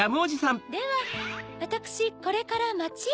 ではわたくしこれからまちへ。